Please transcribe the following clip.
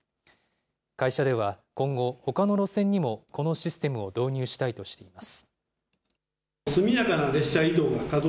会社では今後、ほかの路線にもこのシステムを導入したいとしています。